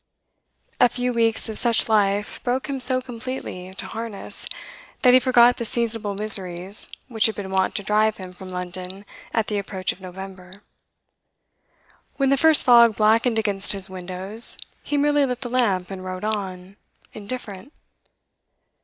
A few weeks of such life broke him so completely to harness, that he forgot the seasonable miseries which had been wont to drive him from London at the approach of November. When the first fog blackened against his windows, he merely lit the lamp and wrote on, indifferent.